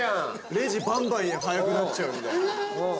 レジバンバン速くなっちゃうみたいな。